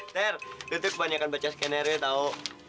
ter lu tuh kebanyakan baca skenernya tau